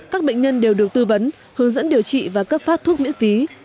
các bệnh nhân đều được tư vấn hướng dẫn điều trị và cấp phát thuốc miễn phí